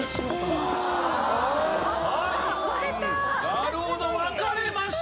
なるほど分かれました。